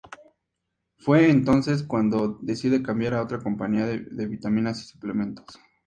Fue entonces cuando decide cambiar a otra compañía de vitaminas y suplementos.